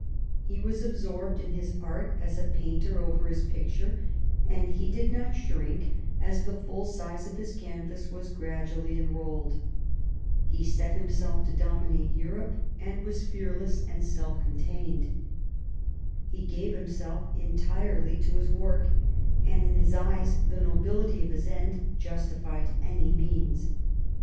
He was absorbed in his art as a painter over his picture, and he did not shrink as the full size of his canvas was gradually enrolled. He set himself to dominate Europe, and was fearless and self contained. He gave himself entirely to his work, and in his eyes the nobility of his end justified any means.